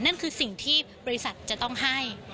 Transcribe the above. นั่นคือสิ่งที่บริษัทจะต้องให้